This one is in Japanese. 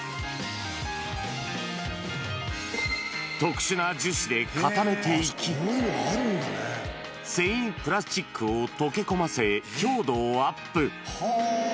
特殊な樹脂で固めていき、繊維プラスチックを溶け込ませ強度をアップ。